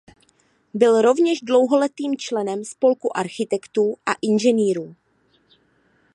Byl rovněž dlouholetým členem Spolku architektů a inženýrů.